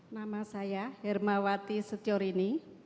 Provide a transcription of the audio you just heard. nama saya hermawati setiorini